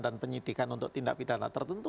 dan penyidikan untuk tindak pidana tertentu